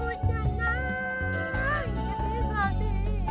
aku jangan jadi babi